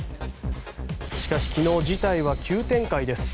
しかし、昨日事態は急展開です。